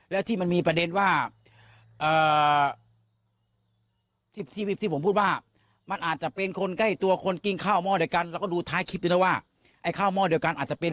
แล้วที่มันมีประเด็นว่าที่ผมพูดว่ามันอาจจะเป็นคนใกล้ตัวคนกินข้าวหม้อเดียวกัน